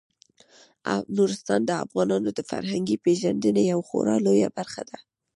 نورستان د افغانانو د فرهنګي پیژندنې یوه خورا لویه برخه ده.